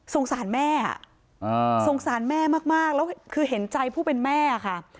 สารแม่สงสารแม่มากแล้วคือเห็นใจผู้เป็นแม่ค่ะ